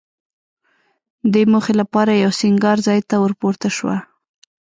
دې موخې لپاره یوه سینګار ځای ته ورپورته شوه.